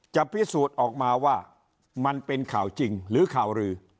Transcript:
จะพิสูจน์ออกมาว่ามันเป็นข่าวจริงหรือข่าวลือ